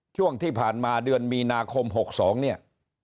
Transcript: ช่วงที่ผ่านมาเดือนมีนาคม๖๒เนี่ย